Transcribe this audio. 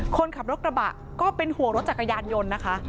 คนขับรถกระบะก็เป็นห่วงรถจักรยานยนต์นะคะ